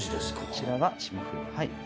こちらが霜降り。